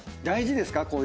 大事ですか？